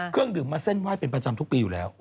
เครื่องดื่มมาเส้นไหว้เป็นประจำทุกปีอยู่แล้ว